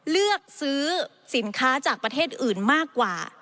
เลือกซื้อสินค้าจากประเทศอื่นมากกว่า